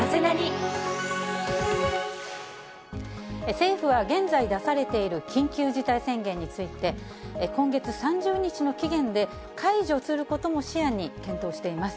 政府は現在出されている緊急事態宣言について、今月３０日の期限で解除することも視野に検討しています。